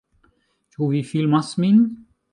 Ĉu vi filmas min?